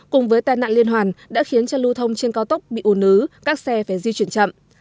cùng với tên nạn liên hoàn đã khiến cho lưu thông trên cao tốc bị ủn ứ các xe phải di chuyển chậm